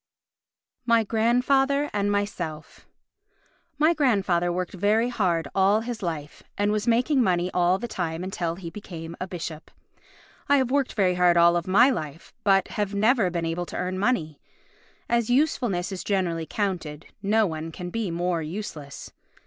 My Grandfather and Myself My grandfather worked very hard all his life, and was making money all the time until he became a bishop. I have worked very hard all my life, but have never been able to earn money. As usefulness is generally counted, no one can be more useless.